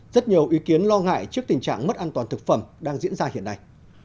rất nhiều ý kiến lo ngại trước tình trạng mất an toàn thực phẩm đang diễn ra hiện nay